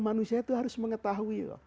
manusia itu harus mengetahui